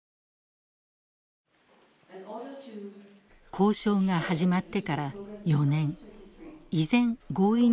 交渉が始まってから４年依然合意には至っていません。